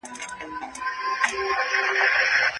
هغه د خپل هېواد لپاره هر ډول قربانۍ ته چمتو و.